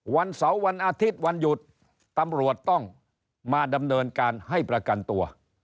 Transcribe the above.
วันเสาร์วันอาทิตย์วันหยุดตำรวจต้องมาดำเนินการให้ประกันตัว